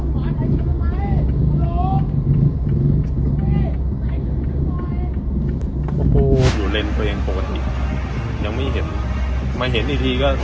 สวัสดีครับว่าคือโบราษาอยู่ในรีบมากไม่เห็นซิมไม่เห็นยังไงบ้าง